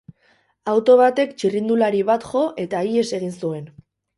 Auto batek txirrindulari bat jo, eta ihes egin zuen.